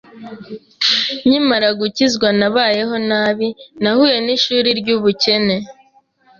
Nkimara gukizwa nabayeho nabi, nahuye n’ishuri ry’ubukene